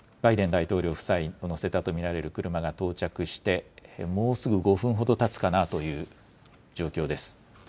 大統領夫妻を乗せたと見られる車が到着して、もうすぐ５分ほどたつかなという状況です。